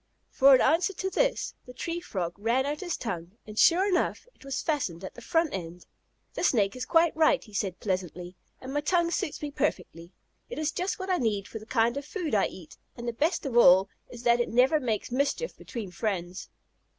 For an answer to this the Tree Frog ran out his tongue, and, sure enough, it was fastened at the front end. "The Snake is quite right," he said pleasantly, "and my tongue suits me perfectly. It is just what I need for the kind of food I eat, and the best of all is that it never makes mischief between friends."